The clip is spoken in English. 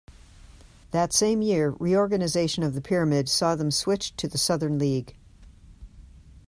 That same year re-organisation of the pyramid saw them switched to the Southern League.